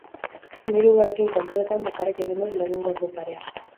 Nire buruarekin kontuetan, bakarrik egin dut lehenengo ordu parea.